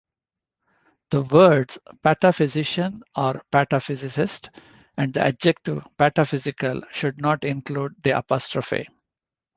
The words "pataphysician" or "pataphysicist" and the adjective "pataphysical" should not include the apostrophe.